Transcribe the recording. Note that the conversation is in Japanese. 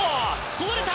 こぼれた！